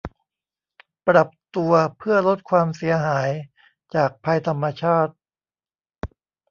ปรับตัวเพื่อลดความเสียหายจากภัยธรรมชาติ